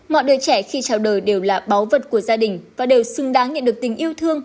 mọi đời trẻ khi chào đời đều là báu vật của gia đình và đều xứng đáng nhận được tình yêu thương